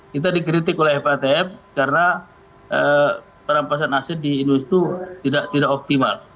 kita dikritik oleh fatf karena perampasan aset di industri tidak optimal